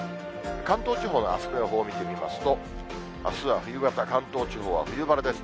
関東地方のあすの予報を見てみますと、あすは冬型、関東地方は冬晴れですね。